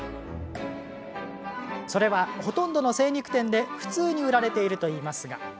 それは、ほとんどの精肉店で普通に売られているといいますが。